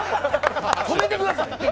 止めてください！